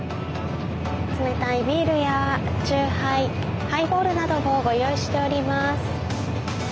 冷たいビールや酎ハイハイボールなどもご用意しております。